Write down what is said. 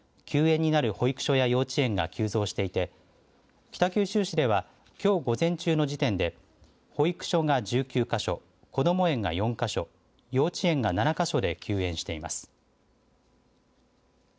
休園になる保育所や幼稚園が急増していて北九州市ではきょう午前中の時点で保育所が１９か所子ども園が４か所幼稚園が７か所で休園しています。